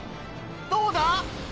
どうだ？